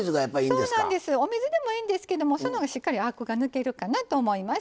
お水でもいいんですがそのほうがしっかりアクが抜けるかなと思います。